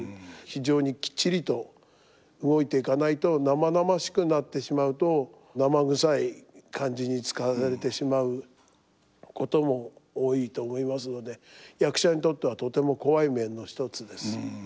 非常にきっちりと動いていかないと生々しくなってしまうと生臭い感じに使われてしまうことも多いと思いますので役者にとってはとても怖い面の一つです。